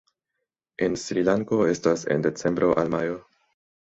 En Srilanko estas en decembro al majo.